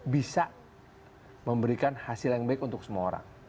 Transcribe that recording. bisa memberikan hasil yang baik untuk semua orang